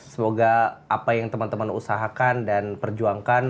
semoga apa yang teman teman usahakan dan perjuangkan